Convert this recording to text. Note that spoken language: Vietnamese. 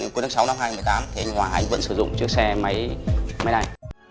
cuối tháng sáu năm hai nghìn một mươi tám anh hòa vẫn sử dụng chiếc xe máy này